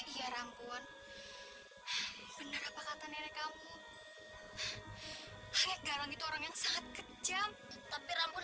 iya rampun benar apa kata nenek kamu garang itu orang yang sangat kejam tapi rampun